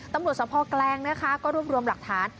ตำรวจสมภอกแกล้งก็รวมรวมหลักฐาน